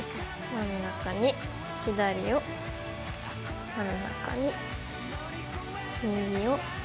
真ん中に左を真ん中に右を。